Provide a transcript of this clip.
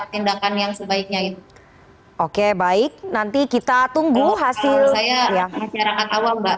tindakan yang sebaiknya itu oke baik nanti kita tunggu hasil saya ya masyarakat awal mbak